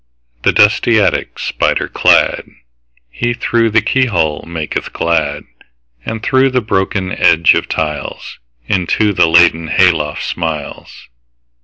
The dusty attic spider cladHe, through the keyhole, maketh glad; And through the broken edge of tiles, Into the laddered hay loft smiles.